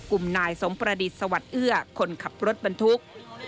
กลุ่มนายสมประดิษฐ์สวัสดิ์เอื้อคนขับรถบรรทุก